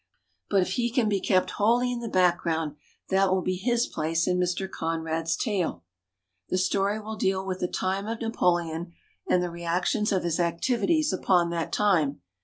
But if he can be kept wholly in the background, that will be his place in Mr. Conrad's tale. The story will deal with the time of Na poleon, and the reactions of his activi ties upon that time.